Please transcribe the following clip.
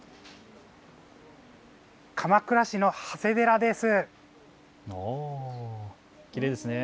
鎌倉市の長谷寺です。